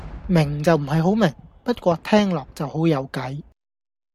明就唔係好明，不過聽落就好有計